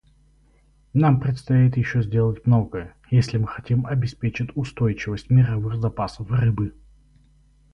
Нам предстоит еще сделать многое, если мы хотим обеспечить устойчивость мировых запасов рыбы.